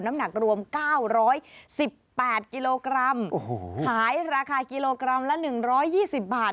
น้ำหนักรวม๙๑๘กิโลกรัมโอ้โหขายราคากิโลกรัมละ๑๒๐บาท